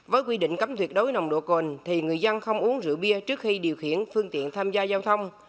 với quy định cấm tuyệt đối nồng độ cồn thì người dân không uống rượu bia trước khi điều khiển phương tiện tham gia giao thông